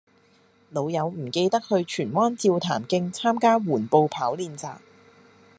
老友唔記得去荃灣照潭徑參加緩步跑練習